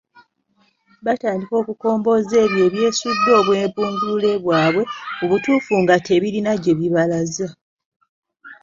Batandika okukombooza ebyo ebyesudde obwebungulule bwabwe, mu butuufu nga tebirina gye bibalaza.